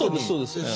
そうです。